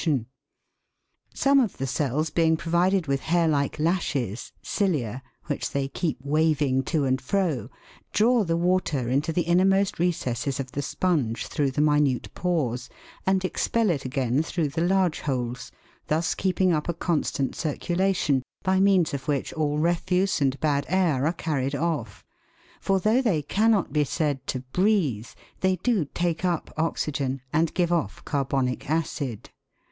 SPONGE SPICULES. 149 Some of the cells being provided with hair like lashes (cilia), which they keep waving to and fro, draw the water into the innermost recesses of the sponge through the minute pores, and expel it again through the large holes, Fig 30. SPONGE SPICULES. thus keeping up a constant circulation, by means of which all refuse and bad air are carried off; for though they cannot be said to breathe, they do take up oxygen, and give off carbonic acid.